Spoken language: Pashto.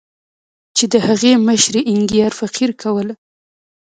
چې د هغې مشري اینیګار فقیر کوله.